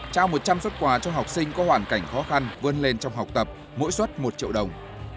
trao một trăm linh xuất quà cho học sinh có hoàn cảnh khó khăn vươn lên trong học tập mỗi suất một triệu đồng